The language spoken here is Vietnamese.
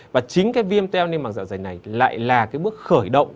và chính viêm teo niêm mạng dạ dày này lại là bước khởi động